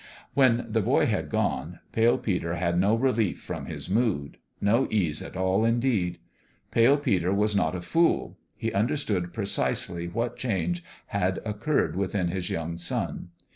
When the boy had gone, Pale Peter had no relief from his mood. No ease at all, indeed 1 Pale Peter was not a fool. He understood precisely what change had occurred within his young son.